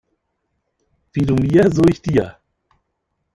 Wie du mir, so ich dir.